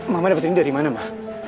mama dapat ini dari mana ma